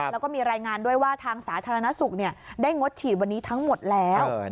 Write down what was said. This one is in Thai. แล้วก็มีรายงานด้วยว่าทางสาธารณสุขได้งดฉีดวันนี้ทั้งหมดแล้ว